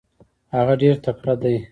هغه ډېر تکړه دی.